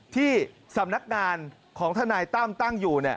ที่สำนักงานของทนายตั้มตั้งอยู่